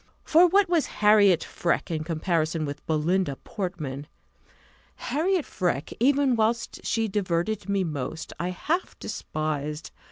For what was Harriot Freke in comparison with Belinda Portman? Harriot Freke, even whilst she diverted me most, I half despised.